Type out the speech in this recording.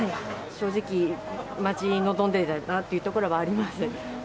正直、待ち望んでいたというところがあります。